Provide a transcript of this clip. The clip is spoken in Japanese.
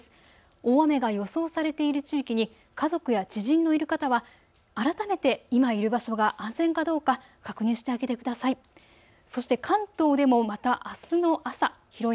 大雨が予想されている地域に家族や知人のいる方は改めて今いる場所が安全かどうか確認してあげてください。